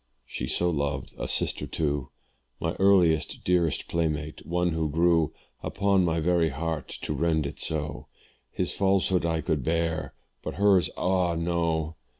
she so loved a sister too! "My earliest, dearest playmate one who grew "Upon my very heart to rend it so! "His falsehood I could bear but hers! ah! no.